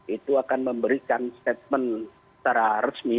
itu akan memberikan statement secara resmi